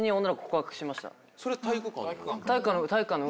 それ体育館の。